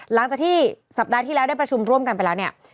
หลังจากที่สัปดาห์ที่แล้วได้ประชุมร่วมกันไปแล้วเนี่ย